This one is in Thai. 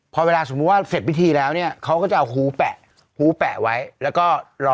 พอเวลาสมมุติว่าเสร็จพิธีแล้วเนี่ยเขาก็จะเอาหูแปะหูแปะไว้แล้วก็รอ